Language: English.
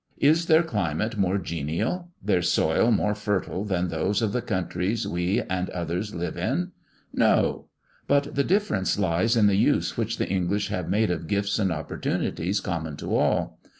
Is their climate more genial; their soil more fertile than those of the countries we and others live in? No! but the difference lies in the use which the English have made of gifts and opportunities common to all.